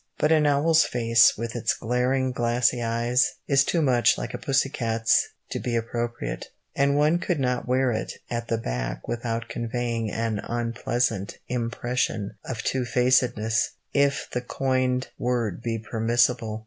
But an owl's face, with its glaring glassy eyes, is too much like a pussy cat's to be appropriate, and one could no wear it at the back without conveying an unpleasant impression of two facedness, if the coined word be permissible.